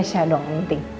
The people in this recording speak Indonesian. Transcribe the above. keisha doang yang penting